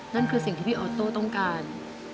นั่นคือสิ่งที่พี่ออโต้ต้องการ